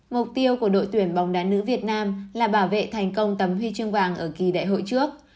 mục tiêu của đội tuyển bóng đá nữ việt nam là bảo vệ thành công tấm huy chương vàng ở kỳ đại hội trước